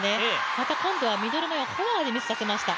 また今度はミドル前、フォアでミスさせました。